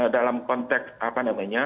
dalam konteks apa namanya